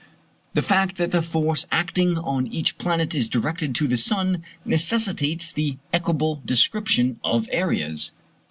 The fact that the force acting on each planet is directed to the sun, necessitates the equable description of areas.